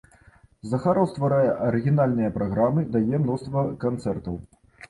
Захараў стварае арыгінальныя праграмы, дае мноства канцэртаў.